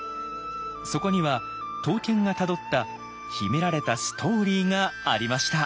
そこには刀剣がたどった秘められたストーリーがありました。